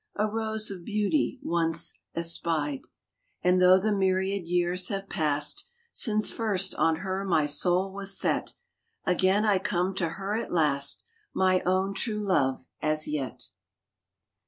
A rose of beauty once espied ; And though the myriad years have passed Since first on her my soul was set, Again I come to her at last, My own true love as yet!